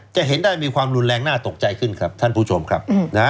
จะเห็นได้มีความรุนแรงน่าตกใจขึ้นครับท่านผู้ชมครับ